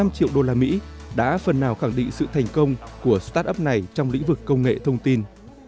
năm triệu đô la mỹ đã phần nào khẳng định sự thành công của start up này trong lĩnh vực công nghệ thông tin